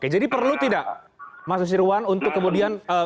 jadi perlu tidak mas osirwan untuk kemudian